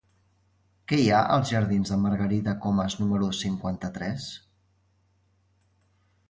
Què hi ha als jardins de Margarida Comas número cinquanta-tres?